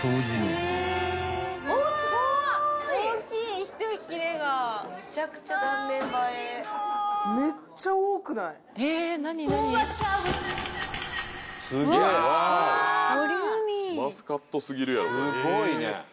すごいね。